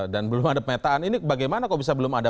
dan belum ada pemetaan ini bagaimana kok bisa belum ada